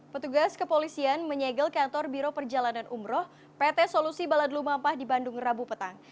petugas kepolisian menyegel kantor biro perjalanan umroh pt solusi baladlu mampah di bandung rabu petang